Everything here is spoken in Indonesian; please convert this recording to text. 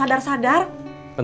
mak eros juga tahu